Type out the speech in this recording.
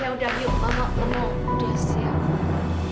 ya sudah mari mama kamu sudah siap